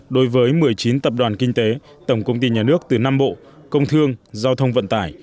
đối với một mươi chín tập đoàn kinh tế tổng công ty nhà nước từ năm bộ công thương giao thông vận tải